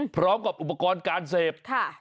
พร้อมกับอุปกรณ์การเสพ